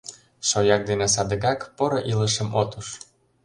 Шояк дене садыгак поро илышым от уж.